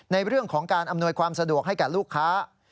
ในเรื่องของการอำนวยความสะดวกให้แก่ลูกค้า